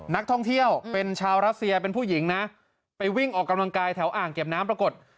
นักท่องเที่ยวเป็นชาวรัสเซียเป็นผู้หญิงนะไปวิ่งออกกำลังกายแถวอ่างเก็บน้ำปรากฏ